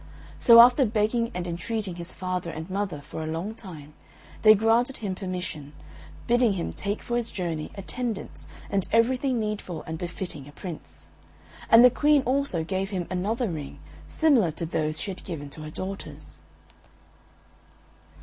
So after begging and entreating his father and mother for a long time, they granted him permission, bidding him take for his journey attendants and everything needful and befitting a Prince; and the Queen also gave him another ring similar to those she had given to her daughters.